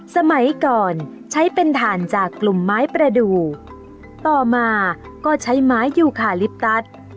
สมัยก่อนใช้เป็นถ่านจากกลุ่มไม้ประดูกต่อมาก็ใช้ไม้ยูคาลิปตัส